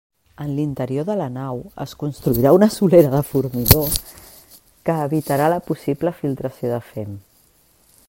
En l'interior de la nau es construirà una solera de formigó que evitarà la possible filtració de fem.